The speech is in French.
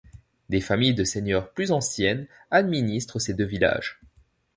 Des familles de seigneurs plus anciennes administrent ces deux villages.